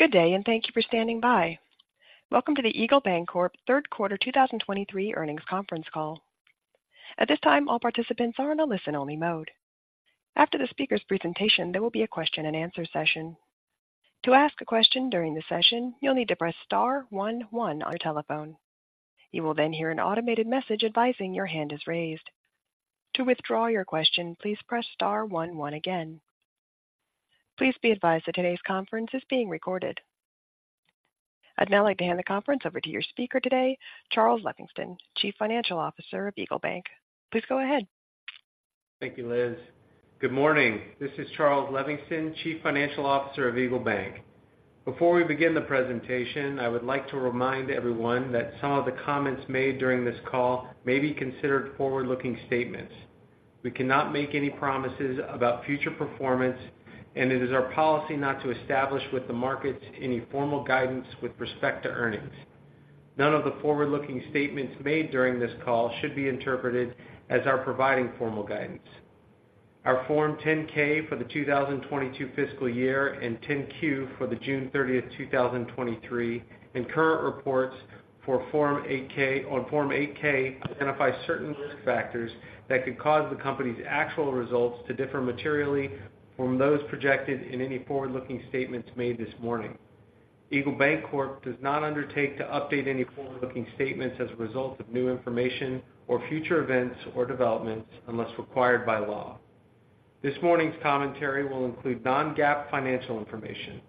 Good day, and thank you for standing by. Welcome to the Eagle Bancorp third quarter 2023 earnings conference call. At this time, all participants are in a listen-only mode. After the speaker's presentation, there will be a question-and-answer session. To ask a question during the session, you'll need to press star one one on your telephone. You will then hear an automated message advising your hand is raised. To withdraw your question, please press star one one again. Please be advised that today's conference is being recorded. I'd now like to hand the conference over to your speaker today, Charles Levingston, Chief Financial Officer of EagleBank. Please go ahead. Thank you, Liz. Good morning. This is Charles Levingston, Chief Financial Officer of EagleBank. Before we begin the presentation, I would like to remind everyone that some of the comments made during this call may be considered forward-looking statements. We cannot make any promises about future performance, and it is our policy not to establish with the markets any formal guidance with respect to earnings. None of the forward-looking statements made during this call should be interpreted as our providing formal guidance. Our Form 10-K for the 2022 fiscal year and 10-Q for the June 30, 2023, and current reports on Form 8-K identify certain risk factors that could cause the company's actual results to differ materially from those projected in any forward-looking statements made this morning. Eagle Bancorp does not undertake to update any forward-looking statements as a result of new information or future events or developments unless required by law. This morning's commentary will include non-GAAP financial information.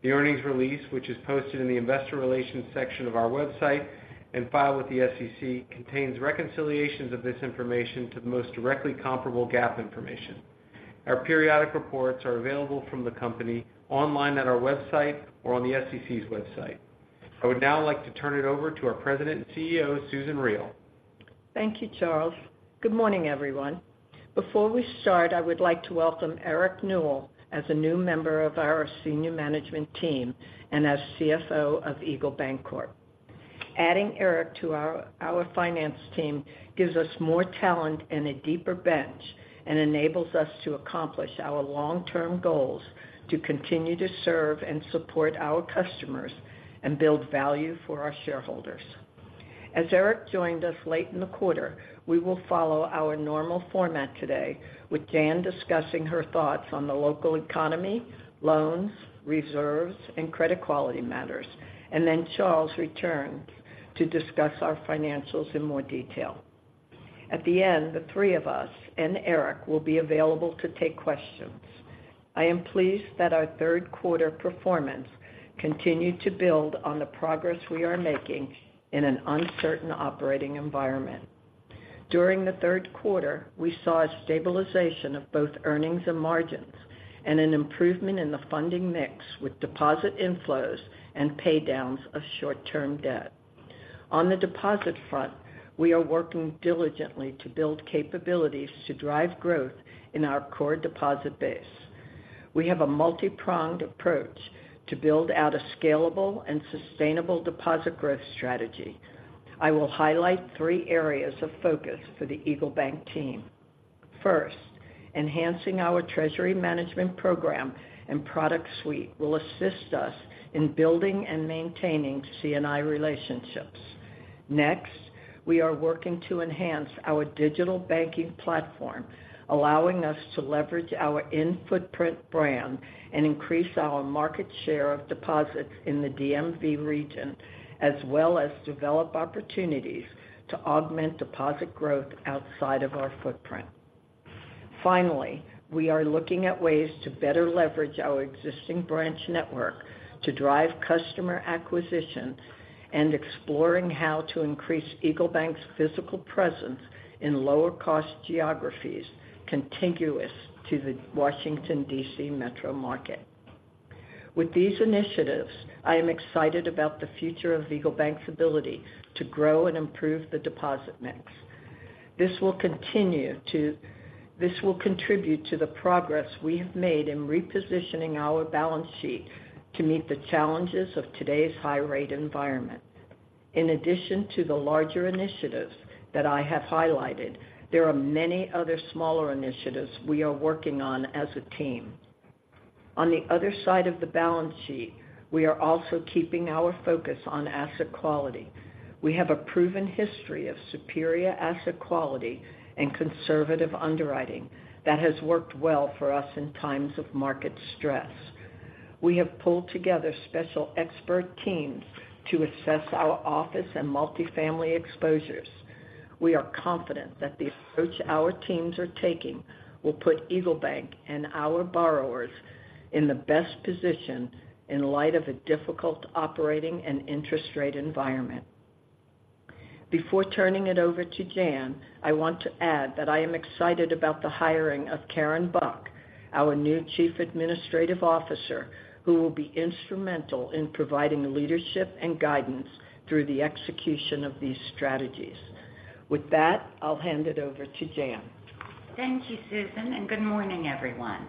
The earnings release, which is posted in the investor relations section of our website and filed with the SEC, contains reconciliations of this information to the most directly comparable GAAP information. Our periodic reports are available from the company online at our website or on the SEC's website. I would now like to turn it over to our President and CEO, Susan Riel. Thank you, Charles. Good morning, everyone. Before we start, I would like to welcome Eric Newell as a new member of our senior management team and as CFO of Eagle Bancorp. Adding Eric to our finance team gives us more talent and a deeper bench and enables us to accomplish our long-term goals to continue to serve and support our customers and build value for our shareholders. As Eric joined us late in the quarter, we will follow our normal format today, with Jan discussing her thoughts on the local economy, loans, reserves, and credit quality matters, and then Charles returns to discuss our financials in more detail. At the end, the three of us and Eric will be available to take questions. I am pleased that our third quarter performance continued to build on the progress we are making in an uncertain operating environment. During the third quarter, we saw a stabilization of both earnings and margins and an improvement in the funding mix with deposit inflows and paydowns of short-term debt. On the deposit front, we are working diligently to build capabilities to drive growth in our core deposit base. We have a multi-pronged approach to build out a scalable and sustainable deposit growth strategy. I will highlight three areas of focus for the EagleBank team. First, enhancing our treasury management program and product suite will assist us in building and maintaining C&I relationships. Next, we are working to enhance our digital banking platform, allowing us to leverage our in-footprint brand and increase our market share of deposits in the DMV region, as well as develop opportunities to augment deposit growth outside of our footprint. Finally, we are looking at ways to better leverage our existing branch network to drive customer acquisition and exploring how to increase EagleBank's physical presence in lower-cost geographies contiguous to the Washington, D.C. metro market. With these initiatives, I am excited about the future of EagleBank's ability to grow and improve the deposit mix. This will contribute to the progress we have made in repositioning our balance sheet to meet the challenges of today's high-rate environment. In addition to the larger initiatives that I have highlighted, there are many other smaller initiatives we are working on as a team. On the other side of the balance sheet, we are also keeping our focus on asset quality. We have a proven history of superior asset quality and conservative underwriting that has worked well for us in times of market stress. We have pulled together special expert teams to assess our office and multifamily exposures. We are confident that the approach our teams are taking will put EagleBank and our borrowers in the best position in light of a difficult operating and interest rate environment. Before turning it over to Jan, I want to add that I am excited about the hiring of Karen Buck, our new Chief Administrative Officer, who will be instrumental in providing leadership and guidance through the execution of these strategies. With that, I'll hand it over to Jan. Thank you, Susan, and good morning, everyone.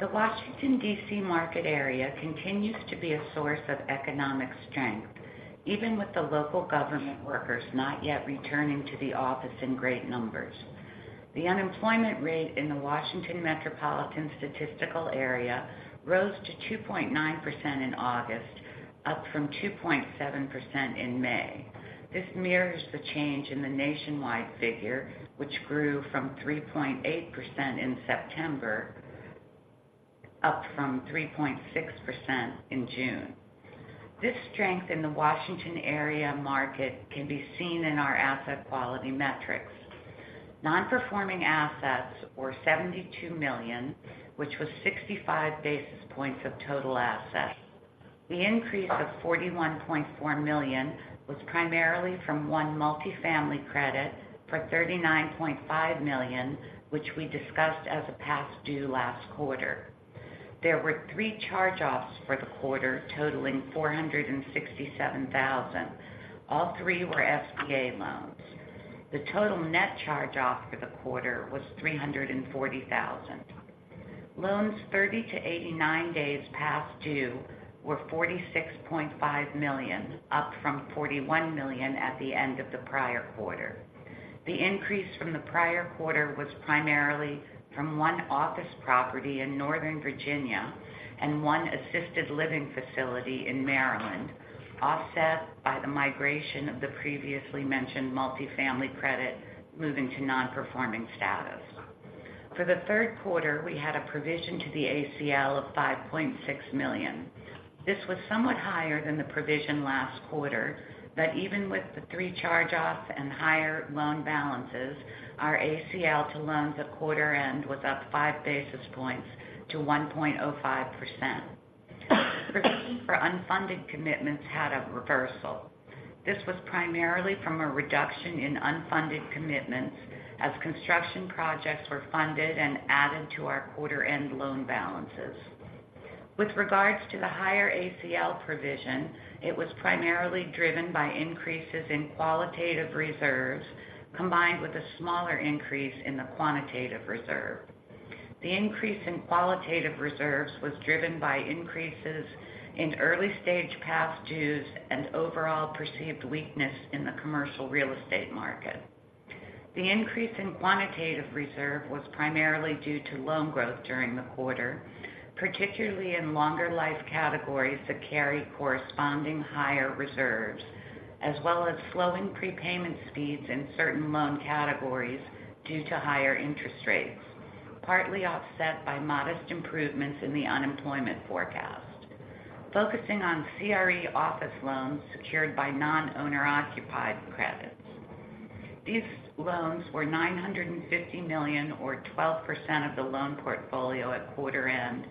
The Washington, D.C. market area continues to be a source of economic strength even with the local government workers not yet returning to the office in great numbers. The unemployment rate in the Washington Metropolitan Statistical Area rose to 2.9% in August, up from 2.7% in May. This mirrors the change in the nationwide figure, which grew from 3.8% in September, up from 3.6% in June. This strength in the Washington area market can be seen in our asset quality metrics. Non-performing assets were $72 million, which was 65 basis points of total assets. The increase of $41.4 million was primarily from one multifamily credit for $39.5 million, which we discussed as a past due last quarter. There were three charge-offs for the quarter, totaling $467,000. All three were SBA loans. The total net charge-off for the quarter was $340,000. Loans 30-89 days past due were $46.5 million, up from $41 million at the end of the prior quarter. The increase from the prior quarter was primarily from one office property in Northern Virginia and one assisted living facility in Maryland, offset by the migration of the previously mentioned multifamily credit moving to nonperforming status. For the third quarter, we had a provision to the ACL of $5.6 million. This was somewhat higher than the provision last quarter, but even with the three charge-offs and higher loan balances, our ACL to loans at quarter end was up 5 basis points to 1.05%. Provision for unfunded commitments had a reversal. This was primarily from a reduction in unfunded commitments as construction projects were funded and added to our quarter end loan balances. With regards to the higher ACL provision, it was primarily driven by increases in qualitative reserves, combined with a smaller increase in the quantitative reserve. The increase in qualitative reserves was driven by increases in early-stage past dues and overall perceived weakness in the commercial real estate market. The increase in quantitative reserve was primarily due to loan growth during the quarter, particularly in longer life categories that carry corresponding higher reserves, as well as slowing prepayment speeds in certain loan categories due to higher interest rates, partly offset by modest improvements in the unemployment forecast. Focusing on CRE office loans secured by non-owner occupied credits. These loans were $950 million, or 12% of the loan portfolio at quarter end,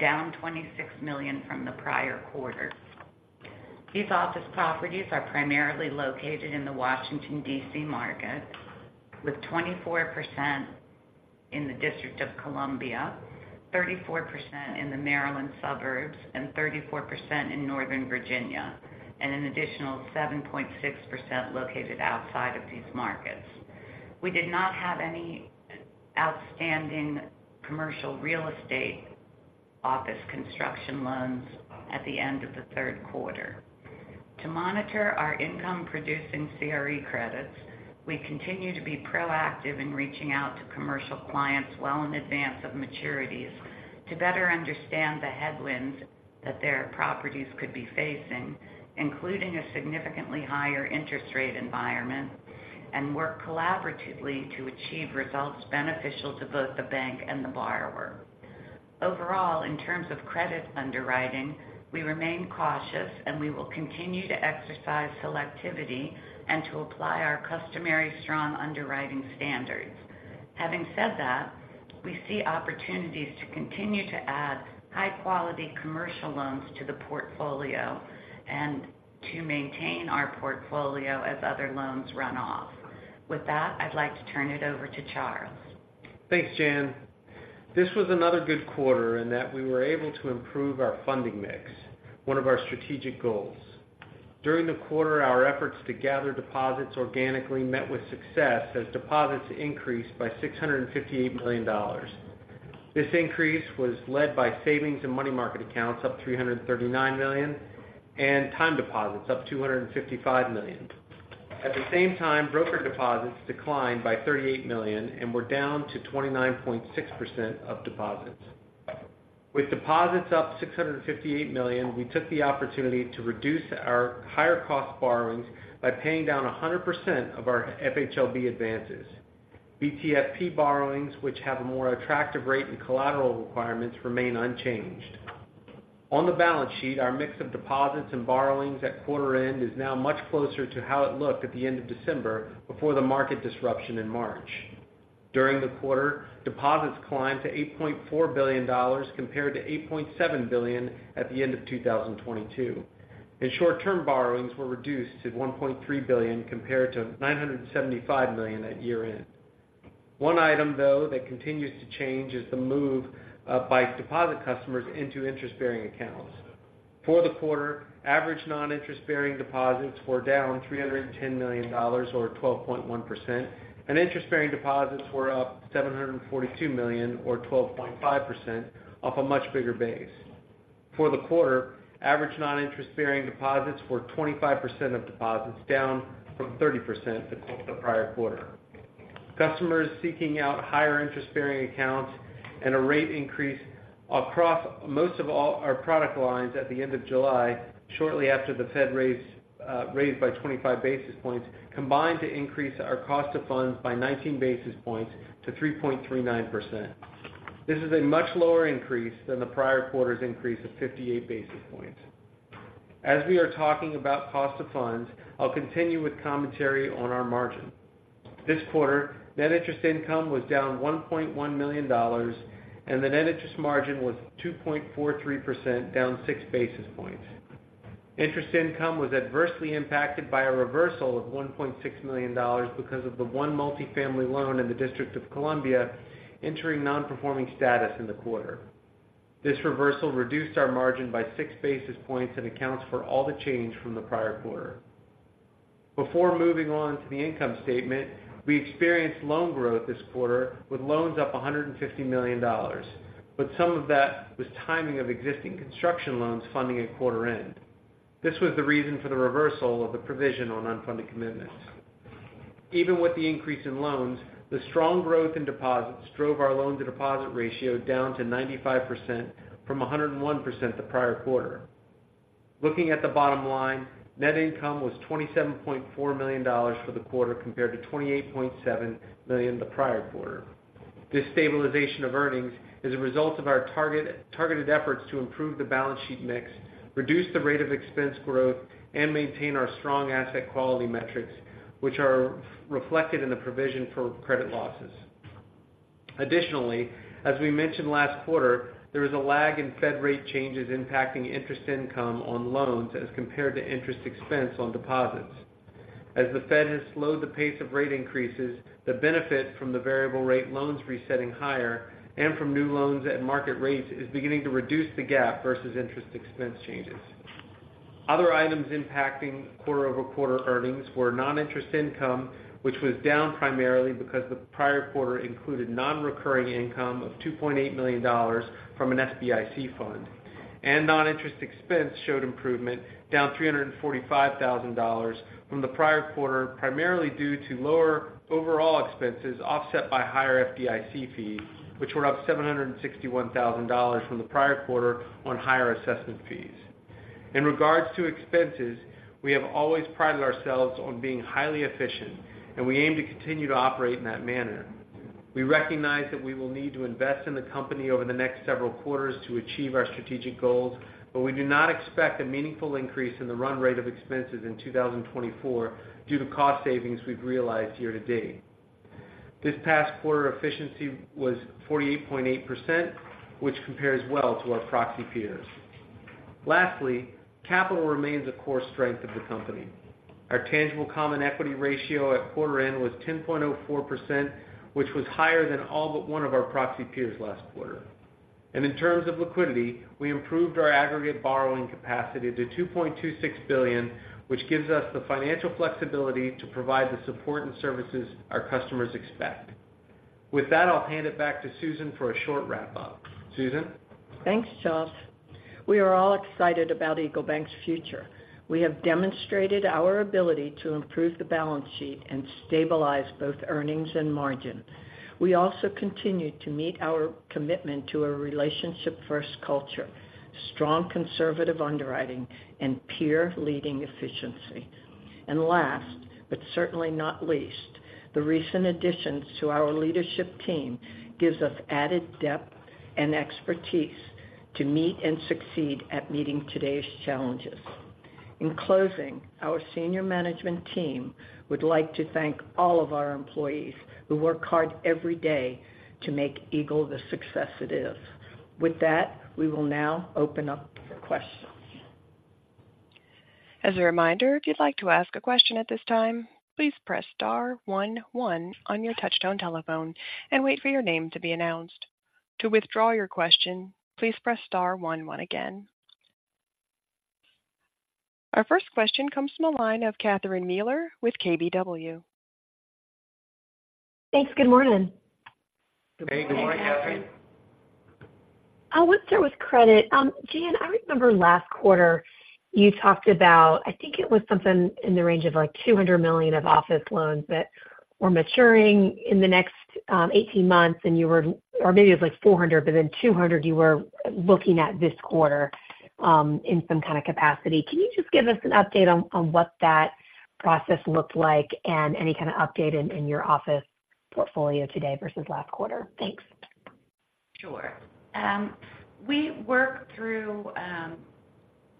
down $26 million from the prior quarter. These office properties are primarily located in the Washington, D.C., market, with 24% in the District of Columbia, 34% in the Maryland suburbs, and 34% in Northern Virginia, and an additional 7.6% located outside of these markets. We did not have any outstanding commercial real estate office construction loans at the end of the third quarter. To monitor our income-producing CRE credits, we continue to be proactive in reaching out to commercial clients well in advance of maturities to better understand the headwinds that their properties could be facing, including a significantly higher interest rate environment, and work collaboratively to achieve results beneficial to both the bank and the borrower. Overall, in terms of credit underwriting, we remain cautious, and we will continue to exercise selectivity and to apply our customary strong underwriting standards. Having said that, we see opportunities to continue to add high-quality commercial loans to the portfolio and to maintain our portfolio as other loans run off. With that, I'd like to turn it over to Charles. Thanks, Jan. This was another good quarter in that we were able to improve our funding mix, one of our strategic goals. During the quarter, our efforts to gather deposits organically met with success as deposits increased by $658 million. This increase was led by savings and money market accounts, up $339 million, and time deposits, up $255 million. At the same time, broker deposits declined by $38 million and were down to 29.6% of deposits. With deposits up $658 million, we took the opportunity to reduce our higher cost borrowings by paying down 100% of our FHLB advances. BTFP borrowings, which have a more attractive rate and collateral requirements, remain unchanged. On the balance sheet, our mix of deposits and borrowings at quarter end is now much closer to how it looked at the end of December before the market disruption in March. During the quarter, deposits climbed to $8.4 billion, compared to $8.7 billion at the end of 2022, and short-term borrowings were reduced to $1.3 billion, compared to $975 million at year-end. One item, though, that continues to change is the move by deposit customers into interest-bearing accounts. For the quarter, average non-interest-bearing deposits were down $310 million, or 12.1%, and interest-bearing deposits were up $742 million, or 12.5%, off a much bigger base.... For the quarter, average non-interest-bearing deposits were 25% of deposits, down from 30% the prior quarter. Customers seeking out higher interest-bearing accounts and a rate increase across most of all our product lines at the end of July, shortly after the Fed raised by 25 basis points, combined to increase our cost of funds by 19 basis points to 3.39%. This is a much lower increase than the prior quarter's increase of 58 basis points. As we are talking about cost of funds, I'll continue with commentary on our margin. This quarter, net interest income was down $1.1 million, and the net interest margin was 2.43%, down 6 basis points. Interest income was adversely impacted by a reversal of $1.6 million because of the one multifamily loan in the District of Columbia entering nonperforming status in the quarter. This reversal reduced our margin by 6 basis points and accounts for all the change from the prior quarter. Before moving on to the income statement, we experienced loan growth this quarter, with loans up $150 million, but some of that was timing of existing construction loans funding at quarter end. This was the reason for the reversal of the provision on unfunded commitments. Even with the increase in loans, the strong growth in deposits drove our loan-to-deposit ratio down to 95% from 101% the prior quarter. Looking at the bottom line, net income was $27.4 million for the quarter, compared to $28.7 million the prior quarter. This stabilization of earnings is a result of our targeted efforts to improve the balance sheet mix, reduce the rate of expense growth, and maintain our strong asset quality metrics, which are reflected in the provision for credit losses. Additionally, as we mentioned last quarter, there is a lag in Fed rate changes impacting interest income on loans as compared to interest expense on deposits. As the Fed has slowed the pace of rate increases, the benefit from the variable rate loans resetting higher and from new loans at market rates is beginning to reduce the gap versus interest expense changes. Other items impacting quarter-over-quarter earnings were non-interest income, which was down primarily because the prior quarter included nonrecurring income of $2.8 million from an SBIC fund, and non-interest expense showed improvement, down $345,000 from the prior quarter, primarily due to lower overall expenses, offset by higher FDIC fees, which were up $761,000 from the prior quarter on higher assessment fees. In regards to expenses, we have always prided ourselves on being highly efficient, and we aim to continue to operate in that manner. We recognize that we will need to invest in the company over the next several quarters to achieve our strategic goals, but we do not expect a meaningful increase in the run rate of expenses in 2024 due to cost savings we've realized year to date. This past quarter, efficiency was 48.8%, which compares well to our proxy peers. Lastly, capital remains a core strength of the company. Our Tangible Common Equity ratio at quarter end was 10.04%, which was higher than all but one of our proxy peers last quarter. In terms of liquidity, we improved our aggregate borrowing capacity to $2.26 billion, which gives us the financial flexibility to provide the support and services our customers expect. With that, I'll hand it back to Susan for a short wrap-up. Susan? Thanks, Charles. We are all excited about EagleBank's future. We have demonstrated our ability to improve the balance sheet and stabilize both earnings and margin. We also continue to meet our commitment to a relationship-first culture, strong conservative underwriting, and peer-leading efficiency. And last, but certainly not least, the recent additions to our leadership team gives us added depth and expertise to meet and succeed at meeting today's challenges. In closing, our senior management team would like to thank all of our employees who work hard every day to make Eagle the success it is. With that, we will now open up for questions. As a reminder, if you'd like to ask a question at this time, please press star one one on your touchtone telephone and wait for your name to be announced. To withdraw your question, please press star one one again. Our first question comes from the line of Catherine Mealor with KBW. Thanks. Good morning. Good morning, Catherine. I'll start with credit. Jan, I remember last quarter you talked about, I think it was something in the range of, like, $200 million of office loans that were maturing in the next 18 months, and or maybe it was like $400 million, but then $200 million you were looking at this quarter, in some kind of capacity. Can you just give us an update on what that process looked like and any kind of update in your office portfolio today versus last quarter? Thanks. Sure. We worked through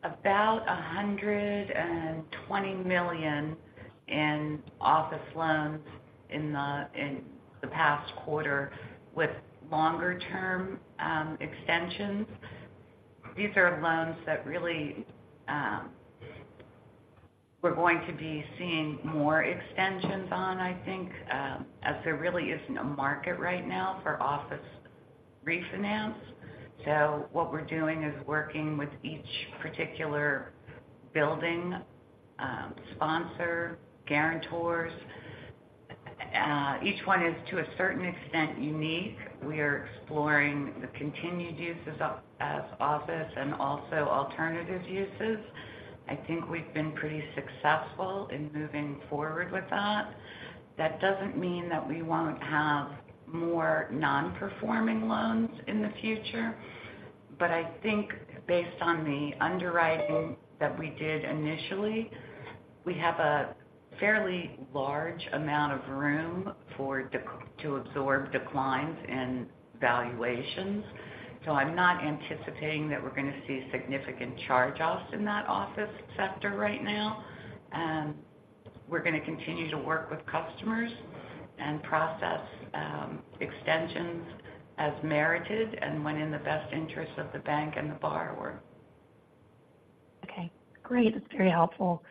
about $120 million in office loans in the past quarter with longer-term extensions. These are loans that really we're going to be seeing more extensions on, I think, as there really isn't a market right now for office refinance. So what we're doing is working with each particular building sponsor, guarantors, ... Each one is, to a certain extent, unique. We are exploring the continued uses of, as office and also alternative uses. I think we've been pretty successful in moving forward with that. That doesn't mean that we won't have more nonperforming loans in the future, but I think based on the underwriting that we did initially, we have a fairly large amount of room to absorb declines in valuations. So I'm not anticipating that we're gonna see significant charge-offs in that office sector right now. We're gonna continue to work with customers and process extensions as merited and when in the best interest of the bank and the borrower. Okay, great. That's very helpful.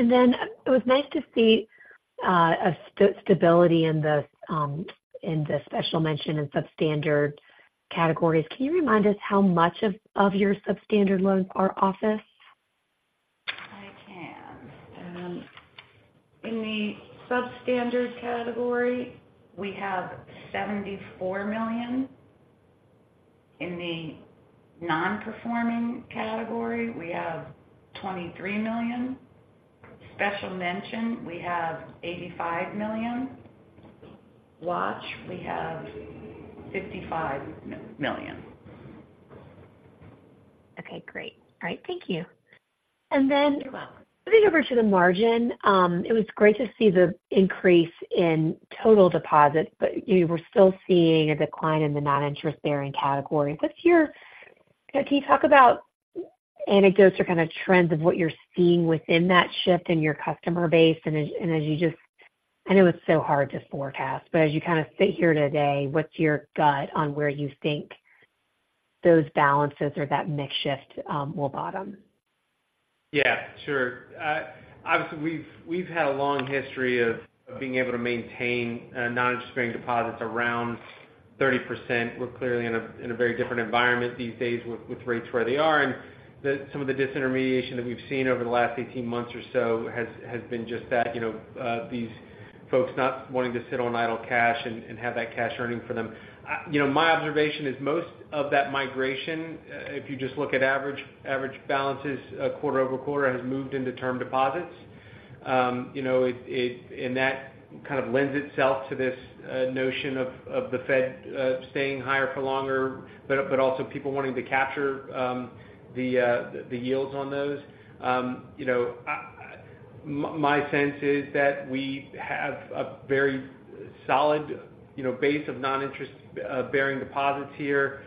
And then it was nice to see a stability in the special mention and substandard categories. Can you remind us how much of your substandard loans are office? I can. In the substandard category, we have $74 million. In the nonperforming category, we have $23 million. Special mention, we have $85 million. Watch, we have $55 million. Okay, great. All right, thank you. And then- You're welcome. Moving over to the margin, it was great to see the increase in total deposits, but you were still seeing a decline in the non-interest bearing category. What's your-- Can you talk about anecdotes or kind of trends of what you're seeing within that shift in your customer base, and as you just... I know it's so hard to forecast, but as you kind of sit here today, what's your gut on where you think those balances or that mix shift will bottom? Yeah, sure. Obviously, we've had a long history of being able to maintain non-interest-bearing deposits around 30%. We're clearly in a very different environment these days with rates where they are. And the. Some of the disintermediation that we've seen over the last 18 months or so has been just that, you know, these folks not wanting to sit on idle cash and have that cash earning for them. You know, my observation is most of that migration, if you just look at average balances quarter over quarter, has moved into term deposits. You know, it-- and that kind of lends itself to this notion of the Fed staying higher for longer, but also people wanting to capture the yields on those. You know, my sense is that we have a very solid, you know, base of non-interest-bearing deposits here.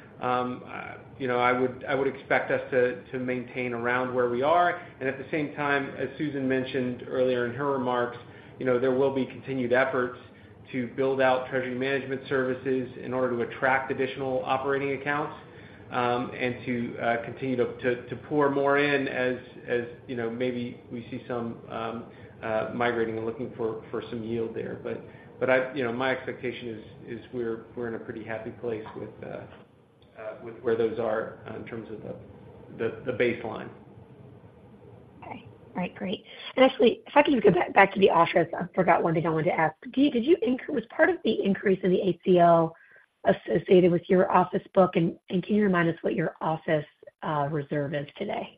You know, I would expect us to maintain around where we are. And at the same time, as Susan mentioned earlier in her remarks, you know, there will be continued efforts to build out treasury management services in order to attract additional operating accounts, and to continue to pour more in as, you know, maybe we see some migrating and looking for some yield there. But you know, my expectation is we're in a pretty happy place with where those are in terms of the baseline. Okay. All right, great. And actually, if I could go back to the office. I forgot one thing I wanted to ask. Was part of the increase in the ACL associated with your office book, and can you remind us what your office reserve is today?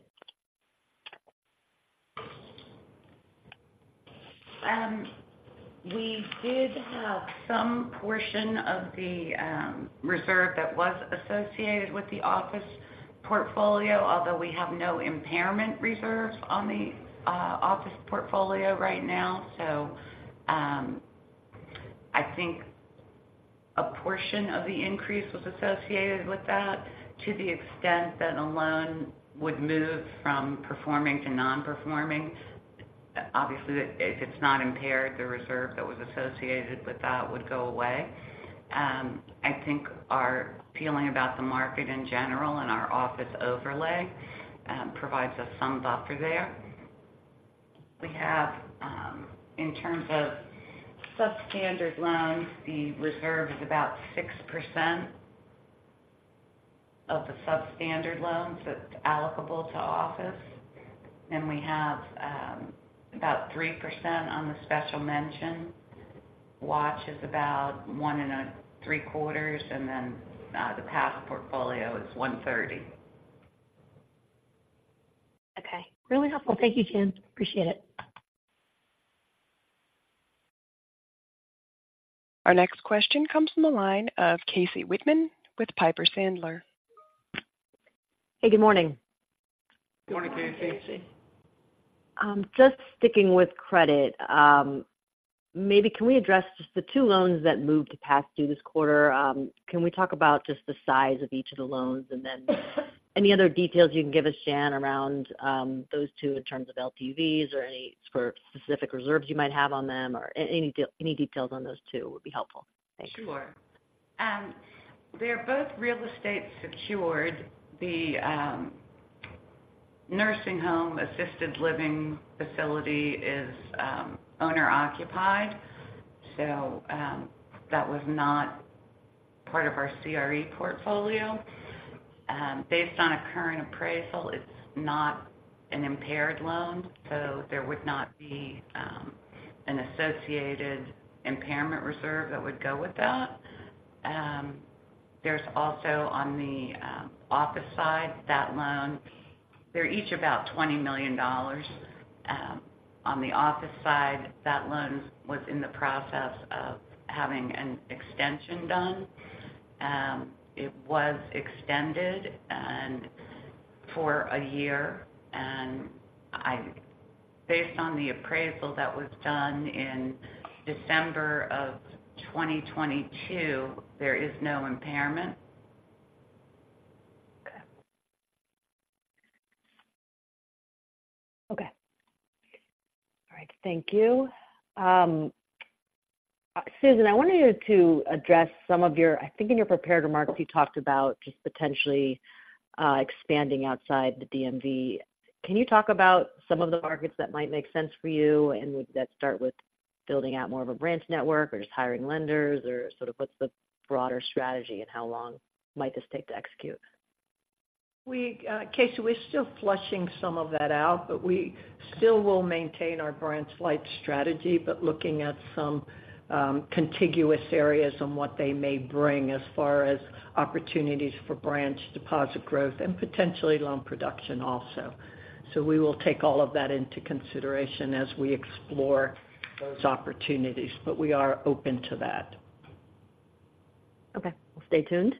We did have some portion of the reserve that was associated with the office portfolio, although we have no impairment reserve on the office portfolio right now. So, I think a portion of the increase was associated with that. To the extent that a loan would move from performing to nonperforming, obviously, it, it's not impaired, the reserve that was associated with that would go away. I think our feeling about the market in general and our office overlay provides us some buffer there. We have, in terms of substandard loans, the reserve is about 6% of the substandard loans that's allocable to office, then we have about 3% on the special mention. Watch is about 1.75, and then the past portfolio is 1.30. Okay. Really helpful. Thank you, Jan. Appreciate it. Our next question comes from the line of Casey Whitman with Piper Sandler. Hey, good morning. Good morning, Casey. Good morning. Just sticking with credit, maybe can we address just the two loans that moved to past due this quarter? Can we talk about just the size of each of the loans? And then any other details you can give us, Jan, around those two in terms of LTVs or any sort of specific reserves you might have on them, or any details on those two would be helpful. Thank you. Sure. They're both real estate secured. The nursing home-assisted living facility is owner-occupied, so that was not part of our CRE portfolio. Based on a current appraisal, it's not an impaired loan, so there would not be an associated impairment reserve that would go with that. There's also, on the office side, that loan—they're each about $20 million. On the office side, that loan was in the process of having an extension done. It was extended and for a year, and based on the appraisal that was done in December of 2022, there is no impairment. Okay. Okay. All right, thank you. Susan, I wanted you to address some of your—I think in your prepared remarks, you talked about just potentially expanding outside the DMV. Can you talk about some of the markets that might make sense for you, and would that start with building out more of a branch network or just hiring lenders? Or sort of what's the broader strategy, and how long might this take to execute? We, Casey, we're still flushing some of that out, but we still will maintain our branch-light strategy, but looking at some contiguous areas on what they may bring as far as opportunities for branch deposit growth and potentially loan production also. So we will take all of that into consideration as we explore those opportunities, but we are open to that. Okay. We'll stay tuned.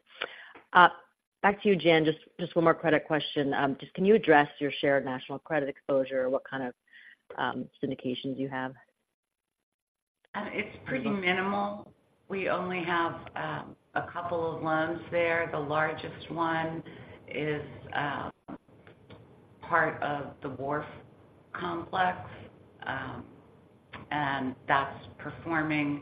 Back to you, Jan, just one more credit question. Just can you address your Shared National Credit exposure? What kind of syndications you have? It's pretty minimal. We only have a couple of loans there. The largest one is part of The Wharf complex, and that's performing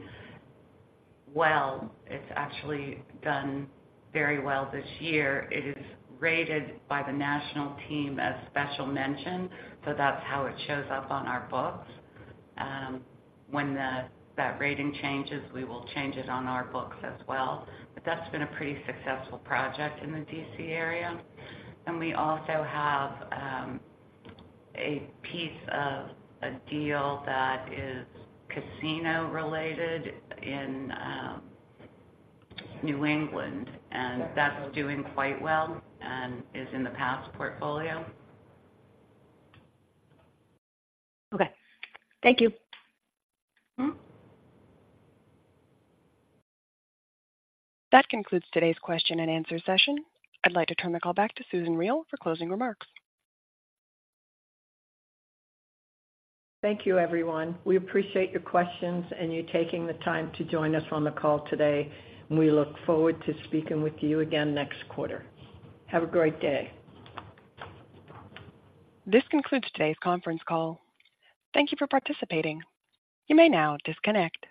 well. It's actually done very well this year. It is rated by the national team as special mention, so that's how it shows up on our books. When that rating changes, we will change it on our books as well. But that's been a pretty successful project in the D.C. area. We also have a piece of a deal that is casino related in New England, and that's doing quite well and is in the SNC portfolio. Okay. Thank you. Mm-hmm. That concludes today's question and answer session. I'd like to turn the call back to Susan Riel for closing remarks. Thank you, everyone. We appreciate your questions and you taking the time to join us on the call today, and we look forward to speaking with you again next quarter. Have a great day. This concludes today's conference call. Thank you for participating. You may now disconnect.